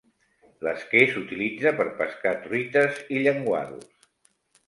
L'esquer s'utilitza per pescar truites i llenguados.